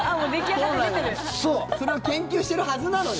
それを研究してるはずなのよ。